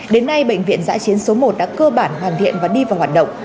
đến nay bệnh viện giã chiến số một đã cơ bản hoàn thiện và đi vào hoạt động